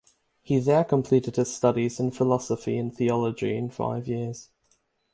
He there completed his studies in philosophy and theology in five years.